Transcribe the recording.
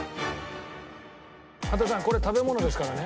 羽田さんこれ食べ物ですからね。